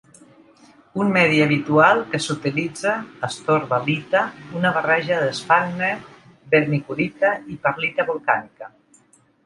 Un medi habitual que s"utilitza es "torba-lita", una barreja d"esfagne, vermiculita i perlita volcànica.